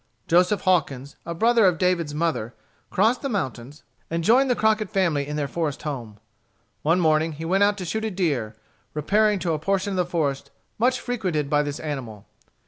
Joseph Hawkins, a brother of David's mother, crossed the mountains and joined the Crockett family in their forest home. One morning he went out to shoot a deer, repairing to a portion of the forest much frequented by this animal.